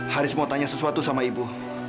haris mau tanya sesuatu sama ibu